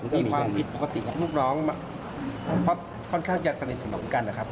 มีความผิดปกติกับลูกน้องค่อนข้างจะสนิทถึงเหมือนกันหรือครับ